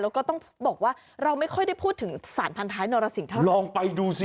แล้วก็ต้องบอกว่าเราไม่ค่อยได้พูดถึงสารพันท้ายนรสิงเท่าลองไปดูสิ